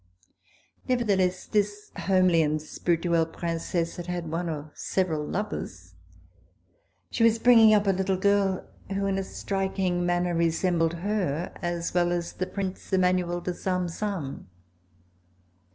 Nevertheless this homely and spirituelle Princesse had had one or several lovers. She was bringing up a little girl who, in a striking manner, resembled her as well as the Prince Emmanuel de Salm Salm.